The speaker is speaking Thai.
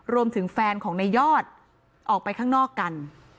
รวมถึงแฟนของในยอดออกไปข้างนอกกัน